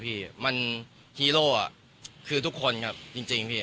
พี่มันฮีโร่คือทุกคนครับจริงพี่